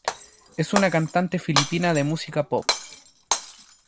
Es una cantante filipina de música pop.